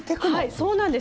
そうなんです。